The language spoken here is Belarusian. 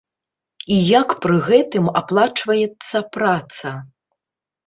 І як пры гэтым аплачваецца праца?